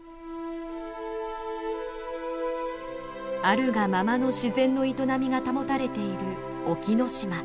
あるがままの自然の営みが保たれている沖ノ島。